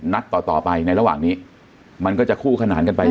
ต่อต่อไปในระหว่างนี้มันก็จะคู่ขนานกันไป